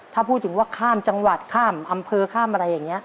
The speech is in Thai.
ถ้าพูดถึงว่าข้ามจังหวัดข้ามอำเภอข้ามอะไรอย่างนี้